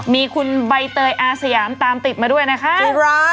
มีคุณบัยเตยอาเซยามตามติดมาด้วยนะคะจุดร้าย